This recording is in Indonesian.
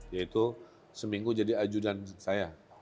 yaitu seminggu jadi ajudan saya